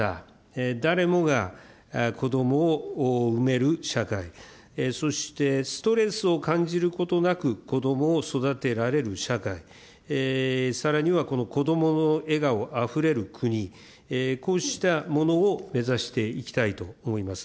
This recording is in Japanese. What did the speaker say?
誰もが子どもを産める社会、そしてストレスを感じることなく子どもを育てられる社会、さらにはこの子どもの笑顔あふれる国、こうしたものを目指していきたいと思います。